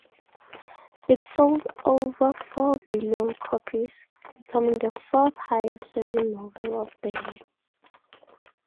It sold over four million copies, becoming the fourth highest-selling novel of the year.